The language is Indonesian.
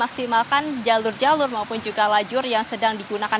maksimalkan jalur jalur maupun juga lajur yang sedang digunakan